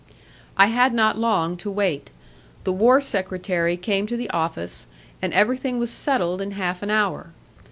I had not long to wait. The war secretary came to the office, and everything was settled in half an hour.